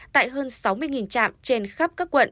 tại hơn sáu mươi trạm trên khắp các quận